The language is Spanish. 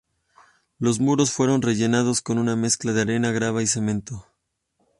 Los muros fueron rellenados con una mezcla de arena, grava y cemento.